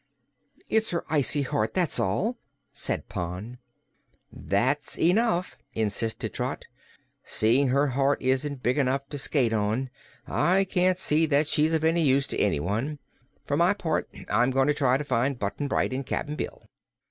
"It's her icy heart, that's all," said Pon. "That's enough," insisted Trot. "Seeing her heart isn't big enough to skate on, I can't see that she's of any use to anyone. For my part, I'm goin' to try to find Button Bright an' Cap'n Bill."